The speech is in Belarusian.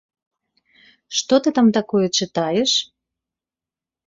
Што ты там такое чытаеш?